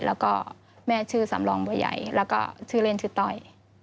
แล้วก็แม่ชื่อสำรองบัวใหญ่แล้วก็ชื่อเล่นชื่อต้อย